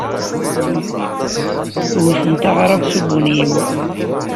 Wtent aɣrab s ubunyiw.